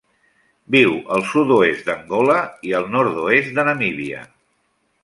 Viu al sud-oest d'Angola i el nord-oest de Namíbia.